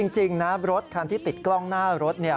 จริงนะรถคันที่ติดกล้องหน้ารถเนี่ย